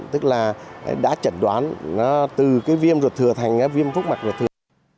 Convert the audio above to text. tức là đã trần đoán nó từ cái viêm ruột thừa thành cái viêm phúc mặt ruột thừa